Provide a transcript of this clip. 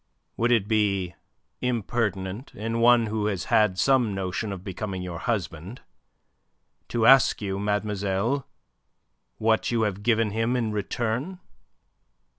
Would it be impertinent in one who has had some notion of becoming your husband, to ask you, mademoiselle, what you have given him in return?"